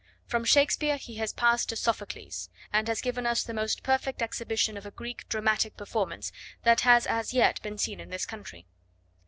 From Shakespeare he has passed to Sophocles, and has given us the most perfect exhibition of a Greek dramatic performance that has as yet been seen in this country.